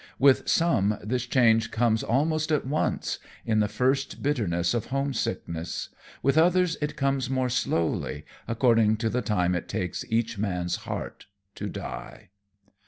With some this change comes almost at once, in the first bitterness of homesickness, with others it comes more slowly, according to the time it takes each man's heart to die.